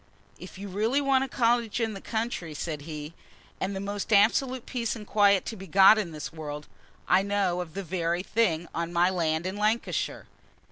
"If you really want a cottage in the country," said he, "and the most absolute peace and quiet to be got in this world, I know of the very thing on my land in Lancashire.